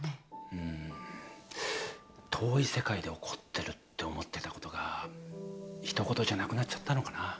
うん遠い世界で起こってるって思ってたことがひと事じゃなくなっちゃったのかな。